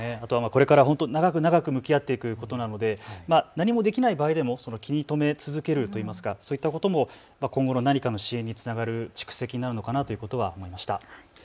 これから本当に長く向き合っていくことなので何もできない場合でも気に留め続けるといいますか、そういったことも今後の何かの支援につながる蓄積になるのかなと思いました。